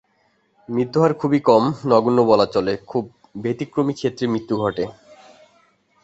মৃত্যুহার খুবই কম, নগণ্য বলা চলে, খুব ব্যতিক্রমী ক্ষেত্রে মৃত্যু ঘটে।